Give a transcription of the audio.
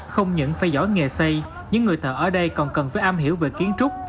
không những phải giỏi nghề xây những người thợ ở đây còn cần phải am hiểu về kiến trúc